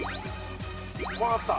・分かった！